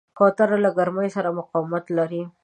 کوتره له ګرمۍ سره مقاومت لري.